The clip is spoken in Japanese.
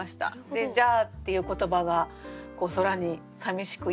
で「じゃあ」っていう言葉が空にさみしく